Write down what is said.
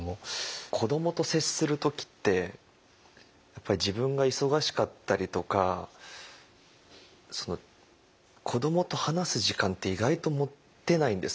子どもと接する時ってやっぱり自分が忙しかったりとか子どもと話す時間って意外と持てないんです私。